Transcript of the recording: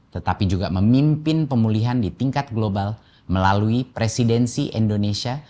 tetapi juga memimpin pemulihan di tingkat global melalui presidensi indonesia